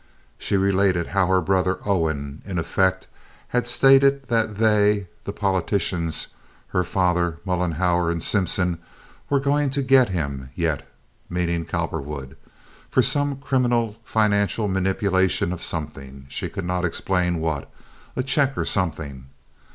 She related how her brother Owen in effect had stated that they—the politicians—her father, Mollenhauer, and Simpson, were going to "get him yet" (meaning Cowperwood), for some criminal financial manipulation of something—she could not explain what—a check or something.